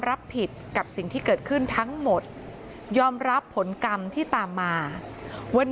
รับผิดกับสิ่งที่เกิดขึ้นทั้งหมดยอมรับผลกรรมที่ตามมาวัน